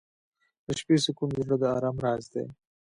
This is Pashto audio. • د شپې سکون د زړه د ارام راز دی.